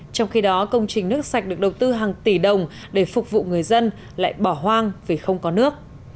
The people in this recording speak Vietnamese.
trong khi đó công trình nước sạch được đầu tư hàng tỷ đồng để phục vụ người dân lại bỏ hoang vì không có nước